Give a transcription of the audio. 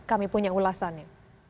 kami punya ulasannya